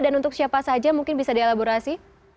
dan untuk siapa saja mungkin bisa dialaborasi